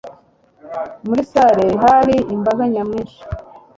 Muri salle hari imbaga nyamwinshi.